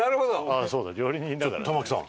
ああそうだ料理人だからね。